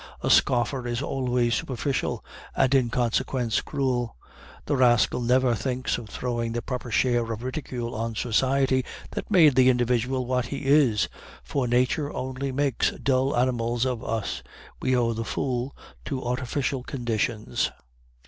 A scoffer is always superficial, and in consequence cruel; the rascal never thinks of throwing the proper share of ridicule on society that made the individual what he is; for Nature only makes dull animals of us, we owe the fool to artificial conditions."